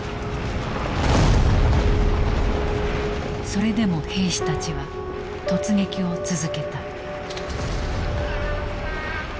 それでも兵士たちは突撃を続けた。